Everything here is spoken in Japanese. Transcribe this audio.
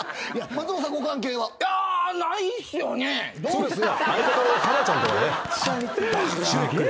そうですね。